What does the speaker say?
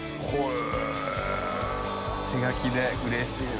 手書きでうれしいな。